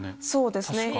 そうですね。